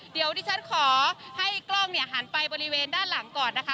เดี๋ยวดิฉันขอให้กล้องเนี่ยหันไปบริเวณด้านหลังก่อนนะคะ